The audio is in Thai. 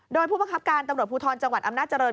โดยผู้บังคับการตำรวจภูทรจังหวัดอำนาจริง